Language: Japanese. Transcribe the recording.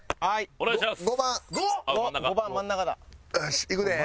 お願いします！